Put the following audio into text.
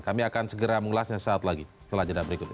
kami akan segera mengulasnya saat lagi setelah jeda berikut ini